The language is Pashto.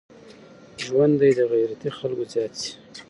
ژوند دي د غيرتي خلکو زيات سي.